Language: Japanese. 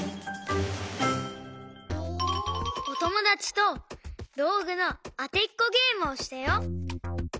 おともだちとどうぐのあてっこゲームをしたよ。